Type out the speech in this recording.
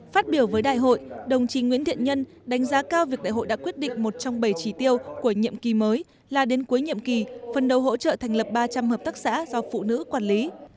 phát biểu với đại hội đồng chí nguyễn thiện nhân đánh giá cao việc đại hội đã quyết định một trong bảy chỉ tiêu của nhiệm kỳ mới là đến cuối nhiệm kỳ phần đầu hỗ trợ thành lập ba trăm linh hợp tác xã do phụ nữ quản lý